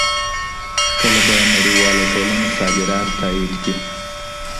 کله به نړیواله ټولنه صادرات تایید کړي؟